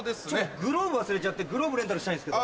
グローブ忘れちゃってグローブレンタルしたいんですけど。